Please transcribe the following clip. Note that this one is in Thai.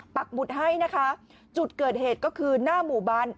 ปักหมุดให้นะคะจุดเกิดเหตุก็คือหน้าหมู่บ้าน